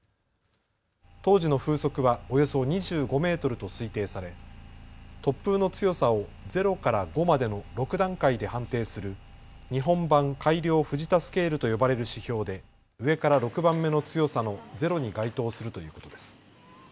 当時の風速はおよそ２５メートルと推定され突風の強さを０から５までの６段階で判定する日本版改良藤田スケールと呼ばれる指標で上から６番目の強さの０に該当するということです。